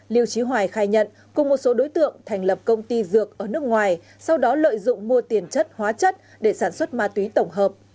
liêu trí hoài khai nhận cùng một số đối tượng thành lập công ty dược ở nước ngoài sau đó lợi dụng mua tiền chất hóa chất để sản xuất ma túy tổng hợp